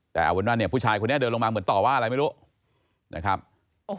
แต่วันนั้นผู้ชายคนนี้เดินลงมาเหมือนต่อว่าอะไรไม่รู้